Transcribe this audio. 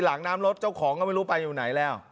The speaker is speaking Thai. หลังน้ำรถเจ้าของก็ไม่รู้ไปอยู่ไหนแล้ว